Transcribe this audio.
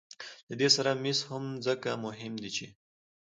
له دې سره مس هم ځکه مهم دي چې